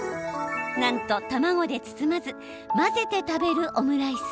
なんと、卵で包まず混ぜて食べるオムライス。